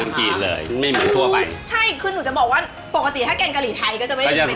จีนเลยไม่เหมือนทั่วไปใช่คือหนูจะบอกว่าปกติถ้าแกงกะหรี่ไทยก็จะไม่ได้เป็น